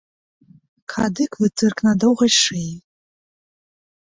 Кадык вытырк на доўгай шыі.